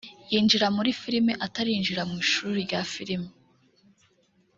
yinjira muri filime atarinjira mu ishuri rya Filime